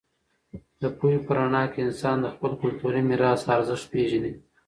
د پوهې په رڼا کې انسان د خپل کلتوري میراث ارزښت پېژني.